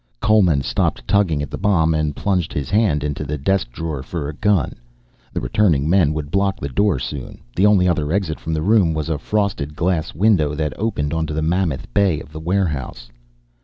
Coleman stopped tugging at the bomb and plunged his hand into the desk drawer for a gun. The returning men would block the door soon, the only other exit from the room was a frosted glass window that opened onto the mammoth bay of the warehouse.